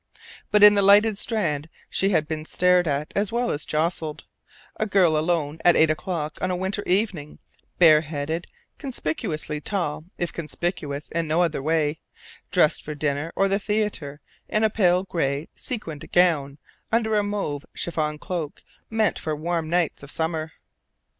But in the lighted Strand she had been stared at as well as jostled: a girl alone at eight o'clock on a winter evening, bare headed, conspicuously tall if conspicuous in no other way; dressed for dinner or the theatre in a pale gray, sequined gown under a mauve chiffon cloak meant for warm nights of summer.